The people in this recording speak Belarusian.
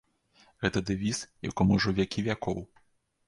Гэта дэвіз, якому ўжо вякі вякоў.